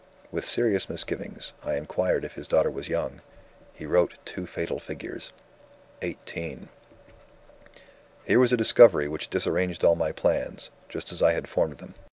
With serious misgivings, I inquired if his daughter was young. He wrote two fatal figures: '18'. "Here was a discovery which disarranged all my plans, just as I had formed them!